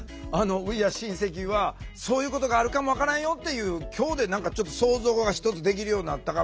Ｗｅａｒｅシンセキ！はそういうことがあるかも分からんよっていう今日で何かちょっと想像がひとつできるようになったかもしれませんね。